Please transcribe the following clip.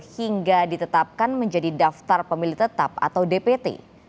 hingga ditetapkan menjadi daftar pemilih tetap atau dpt